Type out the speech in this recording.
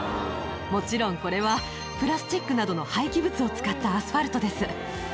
もちろん、これはプラスチックなどの廃棄物を使ったアスファルトです。